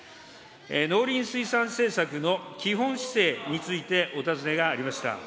農林水産政策の基本姿勢についてお尋ねがありました。